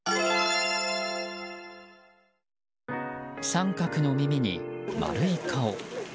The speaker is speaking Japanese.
三角の耳に、丸い顔。